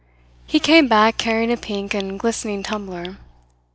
He came back carrying a pink and glistening tumbler.